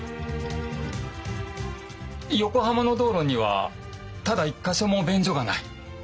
横浜の道路にはただ一か所も便所がない。